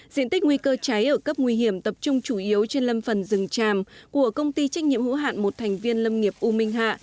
diện tích nguy cơ cháy ở cấp nguy hiểm tập trung chủ yếu trên lâm phần rừng tràm của công ty trách nhiệm hữu hạn một thành viên lâm nghiệp u minh hạ